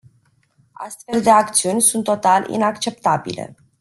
Astfel de acțiuni sunt total inacceptabile.